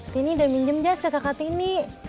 tini udah minjem jaz ke kakak tini